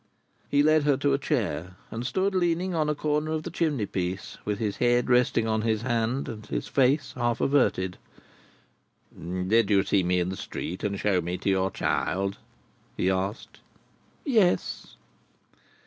He led her to a chair, and stood leaning on a corner of the chimney piece, with his head resting on his hand, and his face half averted. "Did you see me in the street, and show me to your child?" he asked. "Yes."